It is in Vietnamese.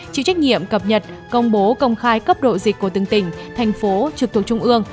chịu trách nhiệm cập nhật công bố công khai cấp độ dịch của từng tỉnh thành phố trực thuộc trung ương